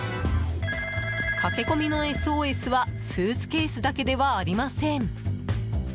駆け込みのＳＯＳはスーツケースだけではありません。